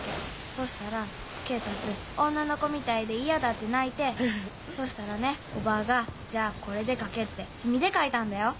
そしたら恵達「女の子みたいで嫌だ」って泣いてそしたらねおばぁが「じゃこれで描け」って墨で描いたんだよ。